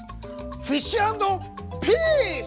フィッシュ＆ピース！